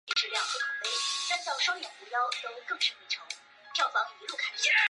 后升任陆军第四镇统制。